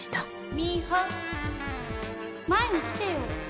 美穂前に来てよ。